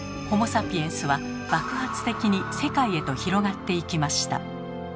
ホモ・サピエンスは爆発的に世界へと広がっていきました。